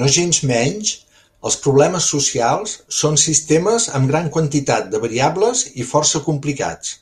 Nogensmenys, els problemes socials són sistemes amb gran quantitat de variables i força complicats.